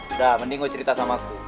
udah mending gue cerita sama aku